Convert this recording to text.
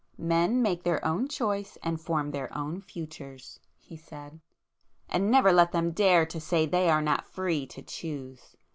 "Men make their own choice and form their own futures," he said—"And never let them dare to say they are not free to choose!